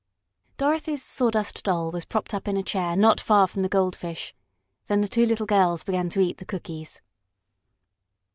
Dorothy's Sawdust Doll was propped up in a chair not far from the goldfish. Then the two little girls began to eat the cookies.